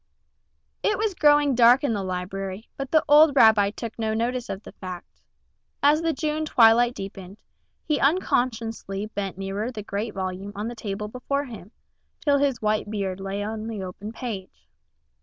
IT was growing dark in the library, but the old rabbi took no notice of the fact. As the June twilight deepened, he unconsciously bent nearer the great volume on the table before him, till his white beard lay on the open page.